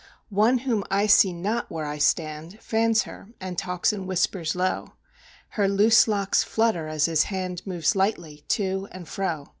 One whom I see not where I stand Fans her, and talks in whispers low; Her loose locks flutter as his hand Moves lightly to and fro.